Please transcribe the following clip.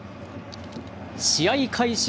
試合開始